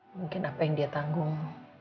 mungkin apa yang dia tanggung